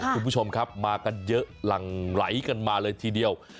คุณผู้ชมครับมากันเยอะหลั่งไหลกันมาเลยทีเดียว